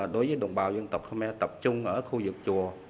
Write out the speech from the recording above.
đối với đồng bào dân tộc khơ me tập trung ở khu vực chùa